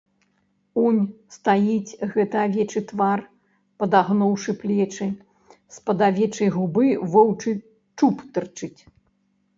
Унь стаіць гэты авечы твар, падагнуўшы плечы, з-пад авечай губы воўчы чуб тырчыць.